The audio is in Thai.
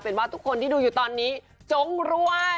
เป็นว่าทุกคนที่ดูอยู่ตอนนี้จงรวย